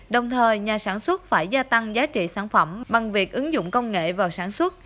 đồng thời nhà sản xuất phải gia tăng giá trị sản phẩm bằng việc ứng dụng công nghệ vào sản xuất